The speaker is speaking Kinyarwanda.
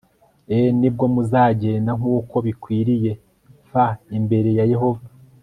e ni bwo muzagenda nk uko bikwiriye f imbere ya yehova